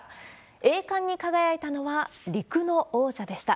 栄冠に輝いたのは陸の王者でした。